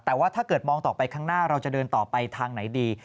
แต่ว่าถ้าเกิดมองต่อไปข้างหน้าเราจะเดินต่อไปทางไหนดี